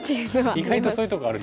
意外とそういうとこあるんですね。